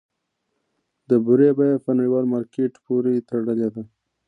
د بورې بیه په نړیوال مارکیټ پورې تړلې ده؟